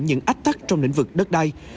những ách tắc trong lĩnh vực đất đai